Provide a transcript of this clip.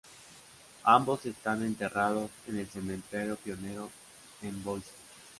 Ambos están enterrados en el cementerio Pionero en Boise.